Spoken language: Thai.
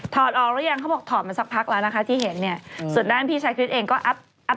แต่รูปอย่างนี้ก็คนถ่ายให้ก็ตั้งใจไหม๑๐ครับ